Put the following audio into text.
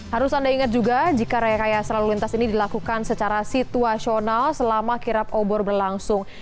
harus anda ingat juga jika rekaya selalu lintas ini dilakukan secara situasional selama kirap obor berlangsung